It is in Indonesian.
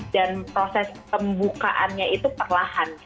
dan proses pembukaannya itu perlahan